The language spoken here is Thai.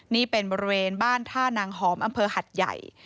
นี่เป็นบริเวณบ้านท่านังหอมอำเภอหัดใหญ่